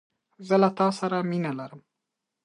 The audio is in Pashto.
زه له تاسره مینه لرم